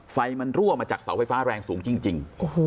ไฟมันรั่วมาจากเสาไฟฟ้าแรงสูงจริง